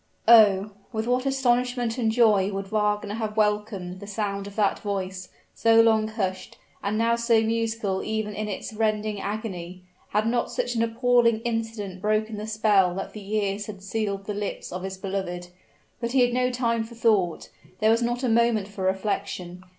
Oh! with what astonishment and joy would Wagner have welcomed the sound of that voice, so long hushed, and now so musical even in its rending agony, had not such an appalling incident broken the spell that for years had sealed the lips of his beloved! But he had no time for thought there was not a moment for reflection.